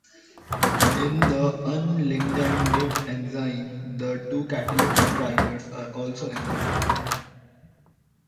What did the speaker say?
In the unliganded enzyme, the two catalytic trimers are also in contact.